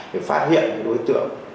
để phát hiện đối tượng